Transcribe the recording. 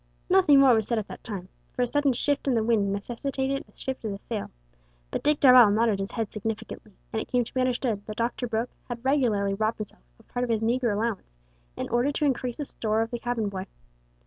Nothing more was said at that time, for a sudden shift in the wind necessitated a shift of the sail, but Dick Darvall nodded his head significantly, and it came to be understood that "Doctor" Brooke had regularly robbed himself of part of his meagre allowance in order to increase the store of the cabin boy.